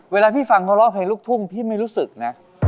เวลาพี่ฟังเขาร้องเพลงลูกทุ่งพี่ไม่รู้สึกนะ